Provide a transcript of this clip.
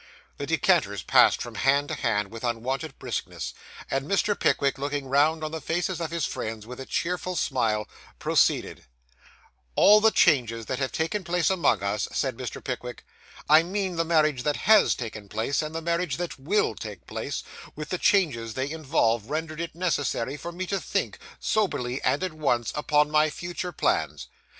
The decanters passed from hand to hand with unwonted briskness, and Mr. Pickwick, looking round on the faces of his friends with a cheerful smile, proceeded 'All the changes that have taken place among us,' said Mr. Pickwick, 'I mean the marriage that _has _taken place, and the marriage that WILL take place, with the changes they involve, rendered it necessary for me to think, soberly and at once, upon my future plans.